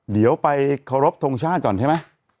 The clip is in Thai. เดี๋ยวไปเคารพทงชาติก่อนใช่ไหม